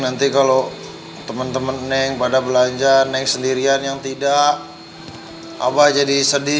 nanti kalau teman teman neng pada belanja neng sendirian yang tidak abah jadi sedih